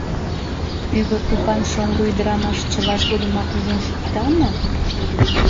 Пӱгыр тупан шоҥго ӱдырамаш чылаж годымак ужын шукта мо?